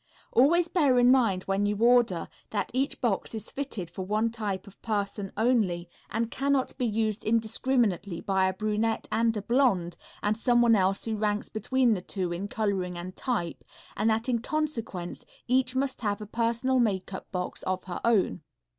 Always bear in mind when you order, that each box is fitted for one type of person only, and cannot be used indiscriminately by a brunette and a blonde and someone else who ranks between the two in coloring and type, and that in consequence each must have a personal makeup box of her own.